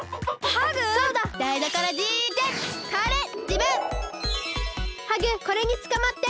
ハグこれにつかまって！